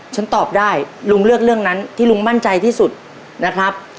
ฉันตอบได้ลุงเลือกเรื่องนั้นที่ลุงมั่นใจที่สุดนะครับ